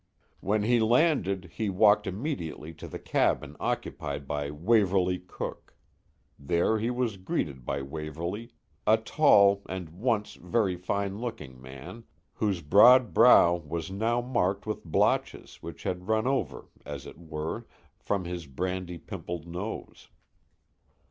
When he landed, he walked immediately to the cabin occupied by Waverley Cooke. There he was greeted by Waverley, a tall and once very fine looking man, whose broad brow was now marked with blotches which had run over as it were, from his brandy pimpled nose.